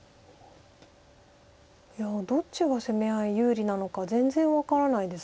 いやどっちが攻め合い有利なのか全然分からないです。